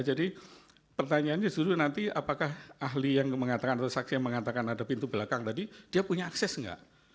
pertanyaannya justru nanti apakah ahli yang mengatakan atau saksi yang mengatakan ada pintu belakang tadi dia punya akses nggak